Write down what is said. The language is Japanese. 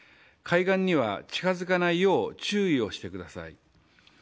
海岸には近づかないよう注意をしてください。